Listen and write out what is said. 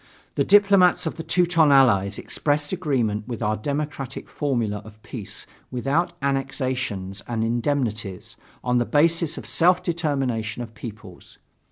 The diplomats of the Teuton Allies expressed agreement with our democratic formula of peace without annexations and indemnities, on the basis of self determination of peoples.